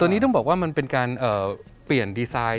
ตอนนี้ต้องบอกว่ามันเป็นการเปลี่ยนดีไซน์